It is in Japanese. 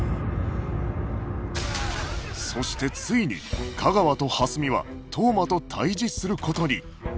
そしてついに架川と蓮見は当麻と対峙する事に